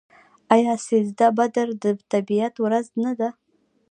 آیا سیزده بدر د طبیعت ورځ نه ده؟